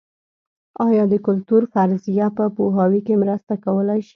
ایا د کلتور فرضیه په پوهاوي کې مرسته کولای شي؟